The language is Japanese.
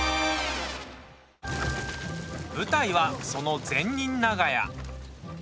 舞台は、その善人長屋。